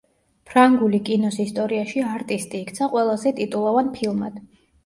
ფრანგული კინოს ისტორიაში „არტისტი“ იქცა ყველაზე ტიტულოვან ფილმად.